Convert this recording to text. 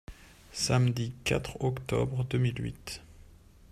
Samedi quatre octobre deux mille huit.